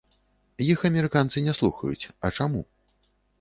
Іх амерыканцы не слухаюць, а чаму?